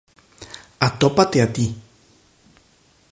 Atópate a ti.